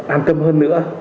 an tâm hơn nữa